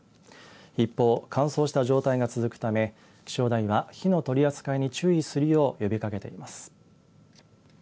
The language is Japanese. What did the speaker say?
一方、乾燥した状態が続くため気象台は、火の取り扱いに注意するよう呼びかけています。